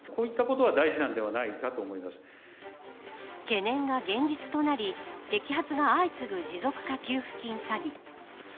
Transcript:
懸念が現実となり摘発が相次ぐ持続化給付金詐欺。